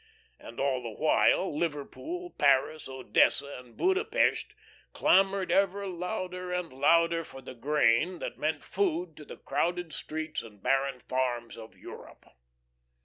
And all the while, Liverpool, Paris, Odessa, and Buda Pesth clamoured ever louder and louder for the grain that meant food to the crowded streets and barren farms of Europe.